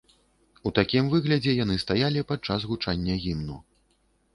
У такім выглядзе яны стаялі падчас гучання гімну.